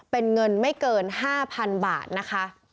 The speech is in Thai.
เป็นเงินไม่เกิน๕๐๐๐บาทนะคะ